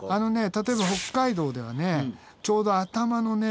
例えば北海道ではちょうど頭のね